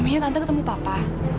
memangnya tante ketemu papa